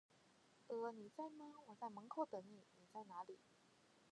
呃…你在吗，我在门口等你，你在哪里？